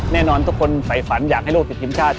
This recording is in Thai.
แน่นอนทุกคนฝ่ายฝันอยากให้โลกติดทีมชาติ